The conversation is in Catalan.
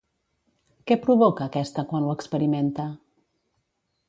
Què provoca aquesta quan ho experimenta?